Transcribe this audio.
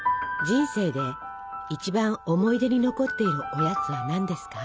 人生で一番思い出に残っているおやつは何ですか？